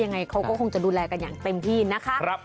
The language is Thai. ยังไงเขาก็คงจะดูแลกันอย่างเต็มที่นะคะ